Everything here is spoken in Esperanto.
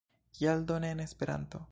Kial do ne en Esperanto?